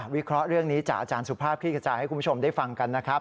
วิเคราะห์เรื่องนี้จากอาจารย์สุภาพคลี่ขจายให้คุณผู้ชมได้ฟังกันนะครับ